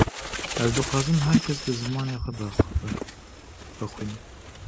Ez dixwazim her kes bi zimanê xwe bixwîne